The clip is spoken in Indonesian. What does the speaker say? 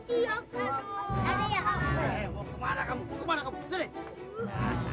tidak sampai potatoes